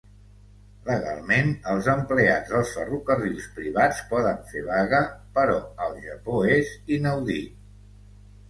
Legalment, els empleats dels ferrocarrils privats poden fer vaga, però al Japó és inaudit.